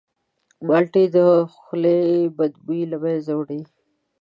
مالټې د خولې بدبویي له منځه وړي.